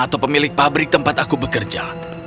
atau pemilik pabrik tempat aku bekerja